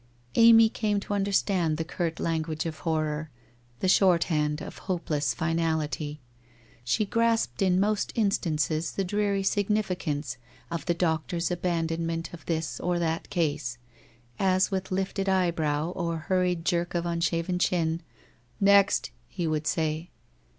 Amy came to understand the curt language of horror, the shorthand of hopeless finality. She grasped in most instances the dreary significance of the doctor's abandon ment of this or that case — as with lifted eyebrow or hurried jerk of unshaven chin — 'Next!'— he would say.